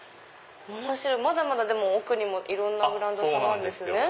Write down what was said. まだまだ奥にもいろんなブランドさんがあるんですね。